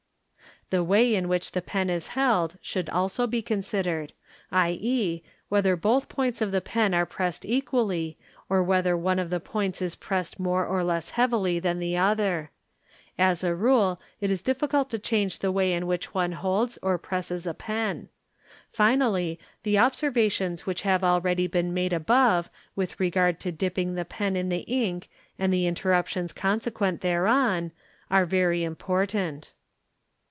The way in which the pen is held should also be considered; whether both points of the pen are pressed equally, or whether one of i HANDWRITING ©: 945 points is pressed more or less heavily than the other; as a rule it is diffi cult to change the way in which one holds or presses a pen; finally, the observations which have already been made above with regard to dipping the pen in the ink and the interruptions consequent thereon are very important.